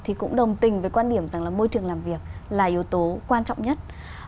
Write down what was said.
thì cũng đồng tình với quan điểm rằng là môi trường làm việc là yếu tố quan trọng nhất